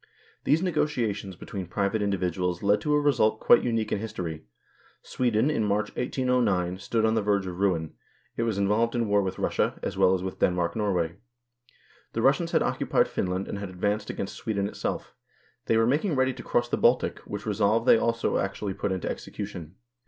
These negotiations between private individuals led to a result quite unique in history. Sweden in March, 1809, stood on the verge of ruin : it was involved in war with Russia, as well as with Denmark Norway. The Russians had occupied Fin land and had advanced against Sweden itself; they were making ready to cross the Baltic, which resolve they also actually put into execution.